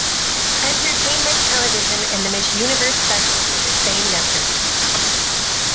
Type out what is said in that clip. Entertainment Television and the Miss Universe Special for the same network.